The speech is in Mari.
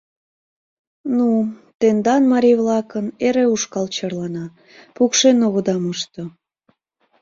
— Ну-у, тендан марий-влакын, эре ушкал черлана, пукшен огыда мошто.